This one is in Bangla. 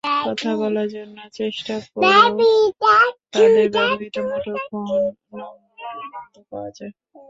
কথা বলার জন্য চেষ্টা করেও তাঁদের ব্যবহৃত মুঠোফোন নম্বর বন্ধ পাওয়া যায়।